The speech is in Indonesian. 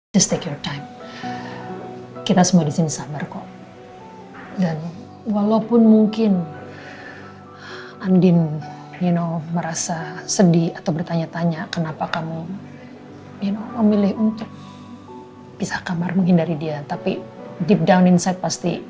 janganlah ber lendak pada accumulated discovery